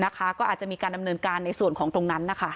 ก็อาจจะมีการดำเนินการในส่วนของตรงนั้นนะคะ